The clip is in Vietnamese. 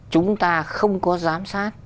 chúng ta không có giám sát